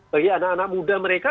bagi anak anak muda mereka